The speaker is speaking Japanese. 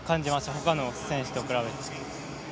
ほかの選手と比べて。